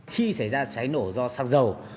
khi xảy ra cháy nổ do xăng dầu